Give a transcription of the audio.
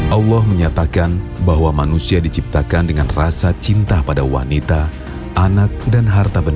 allah menyatakan bahwa manusia diciptakan dengan rasa cinta pada wanita anak dan harta benda